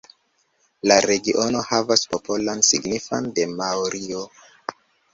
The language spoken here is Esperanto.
La regiono havas popolon signifan de maorioj.